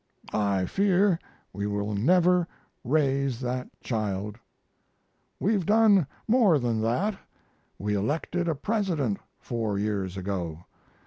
I fear we will never raise that child. We've done more than that. We elected a President four years ago.